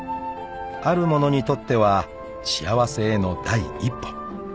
［ある者にとっては幸せへの第一歩］